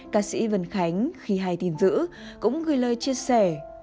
cá sĩ vân khánh khi hay tin dữ cũng gửi lời chia sẻ